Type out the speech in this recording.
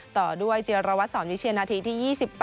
ต่อด้วยเจียรวัตรสอนวิเชียนนาทีที่๒๘